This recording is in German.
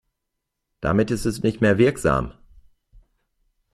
Damit ist es nicht mehr wirksam.